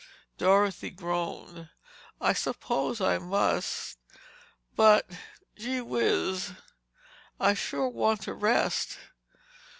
Dorothy groaned. "I suppose I must, but—gee whiz—I sure want to rest."